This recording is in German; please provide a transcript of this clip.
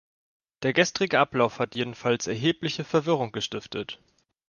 Der gestrige Ablauf hat jedenfalls erhebliche Verwirrung gestiftet.